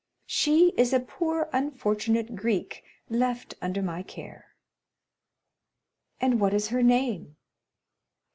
"She is a poor unfortunate Greek left under my care." "And what is her name?"